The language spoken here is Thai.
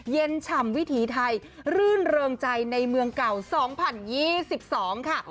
ฉ่ำวิถีไทยรื่นเริงใจในเมืองเก่า๒๐๒๒ค่ะ